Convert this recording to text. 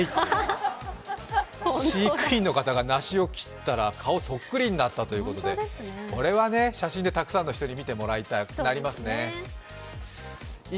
飼育員の方が梨を切ったら顔そっくりになったということでこれは写真でたくさんの人に見てもらいたいってなりますね。